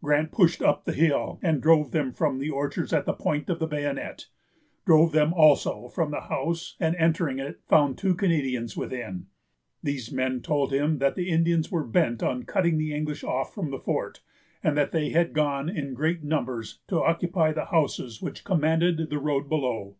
Grant pushed up the hill, and drove them from the orchards at the point of the bayonet——drove them, also, from the house, and, entering it, found two Canadians within. These men told him that the Indians were bent on cutting off the English from the fort, and that they had gone in great numbers to occupy the houses which commanded the road below.